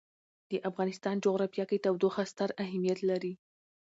د افغانستان جغرافیه کې تودوخه ستر اهمیت لري.